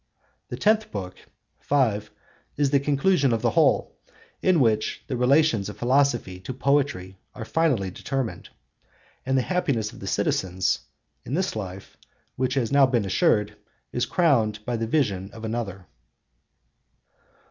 The tenth book (5) is the conclusion of the whole, in which the relations of philosophy to poetry are finally determined, and the happiness of the citizens in this life, which has now been assured, is crowned by the vision of another.